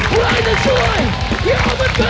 ใครจะช่วยเขามันเปิด